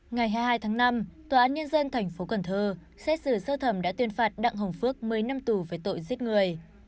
ngày hai mươi hai tháng năm tòa án nhân dân tp cần thơ xét xử sơ thẩm đã tuyên phạt đặng hồng phước một mươi năm tù về tội giết người